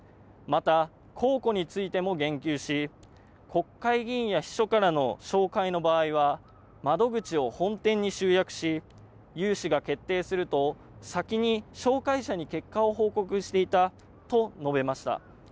また公庫についても言及し国会議員や秘書からの紹介の場合は窓口を本店に集約し融資が決定すると先に紹介者に結果を報告していたと述べました。